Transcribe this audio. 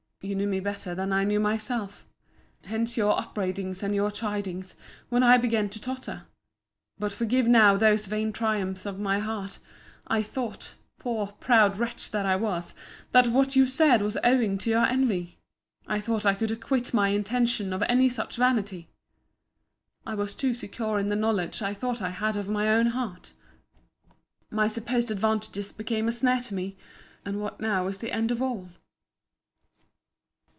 You knew me better than I knew myself. Hence your upbraidings and your chidings, when I began to totter. But forgive now those vain triumphs of my heart. I thought, poor, proud wretch that I was, that what you said was owing to your envy. I thought I could acquit my intention of any such vanity. I was too secure in the knowledge I thought I had of my own heart. My supposed advantages became a snare to me. And what now is the end of all?